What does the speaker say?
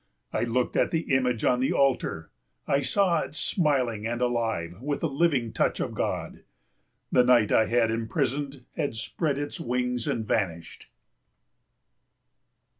I looked at the image on the altar. I saw it smiling and alive with the living touch of God. The night I had imprisoned had spread its wings and vanished.